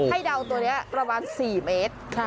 เดาตัวนี้ประมาณ๔เมตร